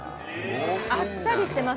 あっさりしてますから。